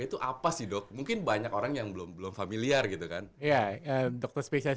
itu apa sih dok mungkin banyak orang yang belum belum familiar gitu kan ya dokter spesialis